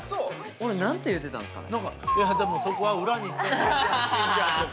俺何て言うてたんですかね？